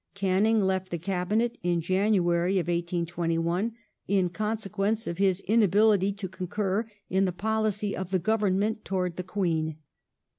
Canning left the Cabinet in January, 1821, in consequence of his inability to concur in the policy of the Government towards the Queen.